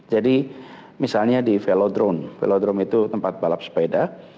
jadi misalnya di velodrome velodrome itu tempat balap sepeda